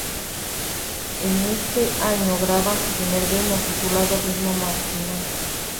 En ese año graban su primer demo, titulado "Ritmo Marginal".